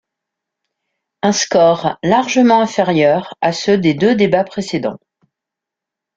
Un score largement inférieur à ceux des deux débats précédents.